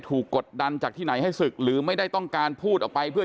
กดดันจากที่ไหนให้ศึกหรือไม่ได้ต้องการพูดออกไปเพื่อ